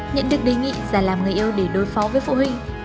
nhận được đề nghị già làm người yêu để đối phó với phụ huynh